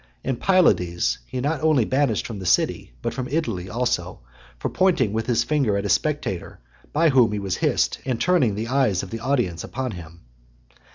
And Pylades he not only banished from the city, but from Italy also, for pointing with his finger at a spectator by whom he was hissed, and turning the eyes of the audience upon him.